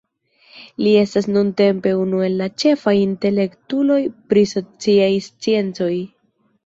Li estas nuntempe unu el la ĉefaj intelektuloj pri sociaj sciencoj.